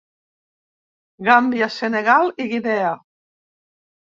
Gàmbia, Senegal i Guinea.